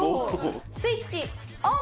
スイッチオン！